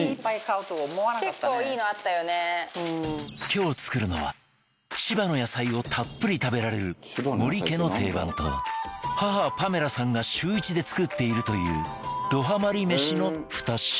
今日作るのは千葉の野菜をたっぷり食べられる森家の定番と母パメラさんが週１で作っているというどハマり飯の２品